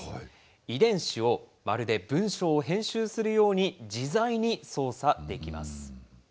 遺伝子をまるで文章を編集するように自在に操作できます。